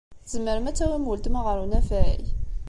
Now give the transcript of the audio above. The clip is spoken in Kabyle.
Tzemrem ad tawim weltma ɣer unafag?